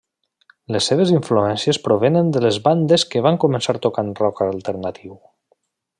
Les seves influències provenen de les bandes que van començar tocant rock alternatiu.